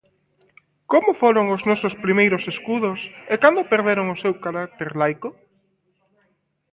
Como foron os nosos primeiros escudos e cando perderon o seu carácter laico?